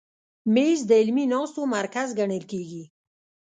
مېز د علمي ناستو مرکز ګڼل کېږي.